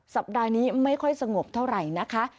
สัปดาห์นี้ไม่ค่อยสงบเท่าไหร่นะคะ